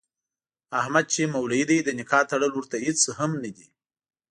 احمد چې مولوي دی د نکاح تړل ورته هېڅ هم نه دي.